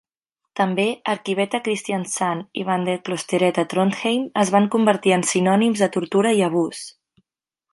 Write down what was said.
També, Arkivet a Kristiansand i Bandeklosteret a Trondheim es van convertir en sinònims de tortura i abús.